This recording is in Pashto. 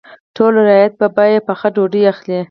ټول رعیت به په بیه پخه ډوډۍ اخلي.